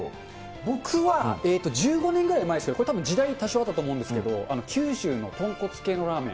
僕は、１５年ぐらい前ですが、これ、たぶん時代多少あったと思うんですけれども、九州の豚骨系のラーメン。